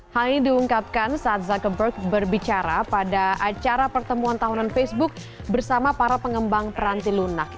hal ini diungkapkan saat zuckerberg berbicara pada acara pertemuan tahunan facebook bersama para pengembang peranti lunak